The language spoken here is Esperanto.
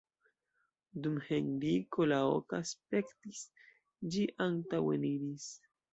Dum Henriko la oka spektis, ĝi antaŭeniris.